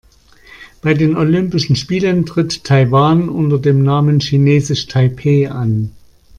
Bei den Olympischen Spielen tritt Taiwan unter dem Namen „Chinesisch Taipeh“ an.